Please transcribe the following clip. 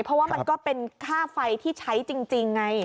เพราะว่ามันก็เป็นค่าไฟที่ใช้จริงไง